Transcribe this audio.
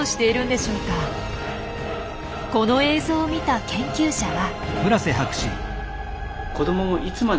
この映像を見た研究者は。